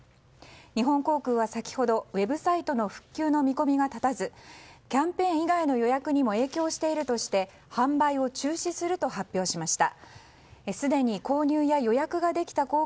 日本航空は先ほどウェブサイトの復旧の見込みが立たずキャンペーン以外の予約にも影響しているとして販売を中止すると発表しました。